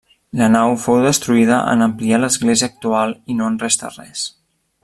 La nau fou destruïda en ampliar l'església actual i no en resta res.